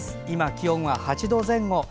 今、気温は８度前後。